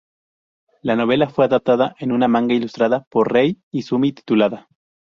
La novela fue adaptada en un manga ilustrado por Rei Izumi titulada.